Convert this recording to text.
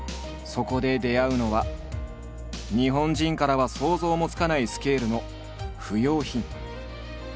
そこで出会うのは日本人からは想像もつかないスケールの不用品。